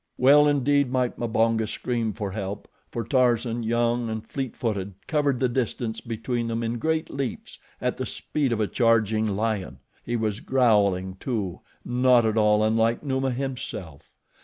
Well indeed might Mbonga scream for help, for Tarzan, young and fleet footed, covered the distance between them in great leaps, at the speed of a charging lion. He was growling, too, not at all unlike Numa himself.